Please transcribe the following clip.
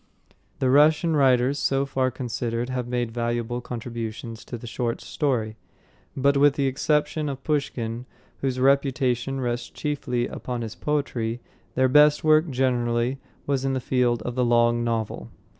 The Russian writers so far considered have made valuable contributions to the short story; but, with the exception of Pushkin, whose reputation rests chiefly upon his poetry, their best work, generally, was in the field of the long novel.